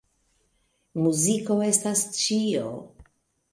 Muziko estas ĉio.